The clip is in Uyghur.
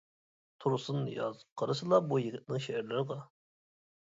تۇرسۇن نىياز قارىسىلا بۇ يىگىتنىڭ شېئىرلىرىغا!